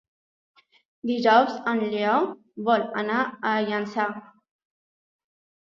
Dijous en Lleó vol anar a Llançà.